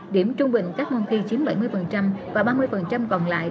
điểm trung bình các môn thi chiếm bảy mươi và ba mươi còn lại